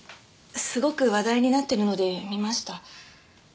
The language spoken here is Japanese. すごく話題になってるので見ました。